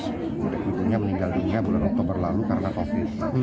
ibu ibunya meninggal dunia bulan oktober lalu karena covid